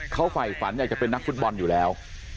เขาฝ่ายฝันอยากจะเป็นนักฟุตบอลอยู่แล้ว